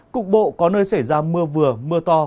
cục bộ có nơi xảy ra mưa vừa mưa to